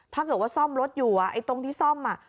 ถ้าเกิดว่าซ่อมรถอยู่อ่ะไอ้ตรงที่ซ่อมอ่ะ